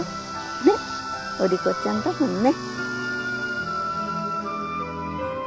ねお利口ちゃんだもんね。